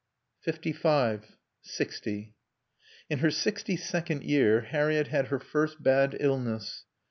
Fifty five. Sixty. In her sixty second year Harriett had her first bad illness.